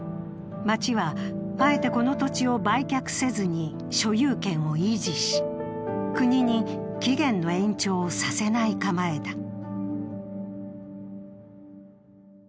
町はあえてこの土地を売却せずに所有権を維持し、国に期限の延長をさせない構えだ。